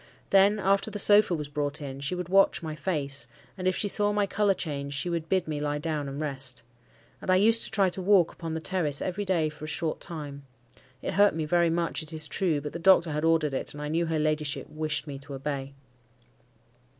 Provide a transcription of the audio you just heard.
Then, after the sofa was brought in, she would watch my face, and if she saw my colour change, she would bid me lie down and rest. And I used to try to walk upon the terrace every day for a short time: it hurt me very much, it is true, but the doctor had ordered it, and I knew her ladyship wished me to obey.